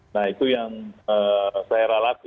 nah itu yang sehera lat